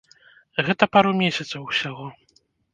Гэта пару месцаў усяго.